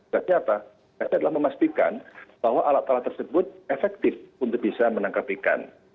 kata kata kita adalah memastikan bahwa alat alat tersebut efektif untuk bisa menangkapkan